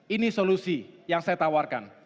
ini solusi yang saya tawarkan